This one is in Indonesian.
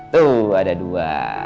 tuh ada dua